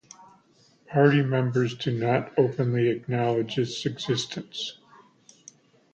Party members do not openly acknowledge its existence.